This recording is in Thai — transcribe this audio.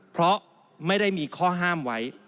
เพราะไม่ได้มีข้อห้ามไว้